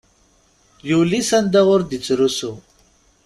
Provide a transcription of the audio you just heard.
Yuli s anda ur d-ittrusu.